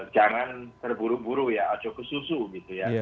jangan terburu buru ya aco ke susu gitu ya